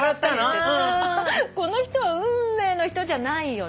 この人は運命の人じゃないよね。